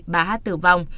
bà h tử vong